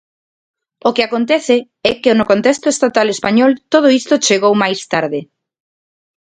O que acontece é que no contexto estatal español todo isto chegou máis tarde.